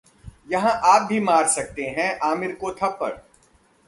यहां आप भी मार सकते हैं आमिर को थप्पड़